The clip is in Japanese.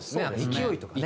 勢いとかね。